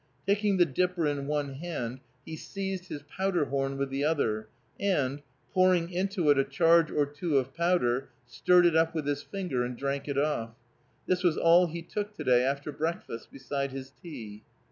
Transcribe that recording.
Taking the dipper in one hand he seized his powder horn with the other, and, pouring into it a charge or two of powder, stirred it up with his finger, and drank it off. This was all he took to day after breakfast beside his tea.